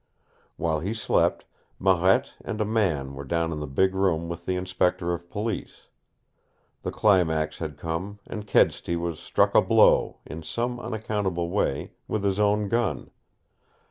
While he slept, Marette and a man were down in the big room with the Inspector of Police. The climax had come, and Kedsty was struck a blow in some unaccountable way with his own gun.